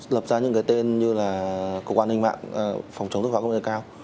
lập ra những cái tên như là cộng quan ninh mạng phòng chống thức phạm công nghệ cao